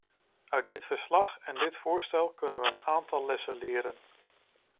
Uit dit verslag en dit voorstel kunnen we een aantal lessen leren.